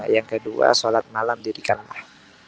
yang kedua sholat malam dirikanlah